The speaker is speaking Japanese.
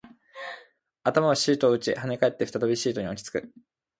頭はシートを打ち、跳ね返って、再びシートに落ち着く